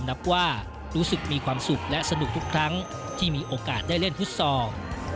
นับว่ารู้สึกมีความสุขและสนุกทุกครั้งที่มีโอกาสได้เล่นฟุตซอล